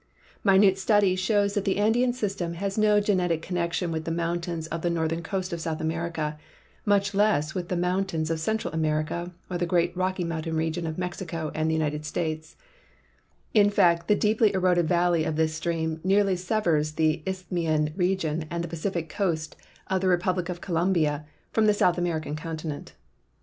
Minute study shows that the Andean system has no genetic connection with the mountains of the northern coast of South America, much less with the mountains of Central America or the great Rocky Mountain region of Mexico and the United States; in fact, the deeply eroded valley of this stream nearly severs the Isthmian region and the Pacific coast of the Republic of Colombia from the South American continent.